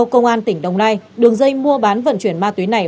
công an tỉnh đồng nai đường dây mua bán vận chuyển ma túy này